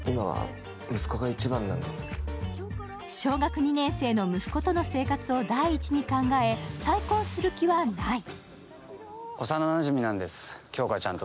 小学２年生の息子との生活を第一に考え再婚する気はない。